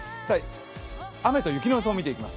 雨と雪の予想を見ていきます。